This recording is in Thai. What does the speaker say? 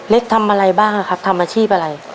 ทำอะไรบ้างครับทำอาชีพอะไร